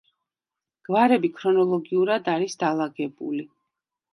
გვარები ქრონოლოგიურად არ არის დალაგებული.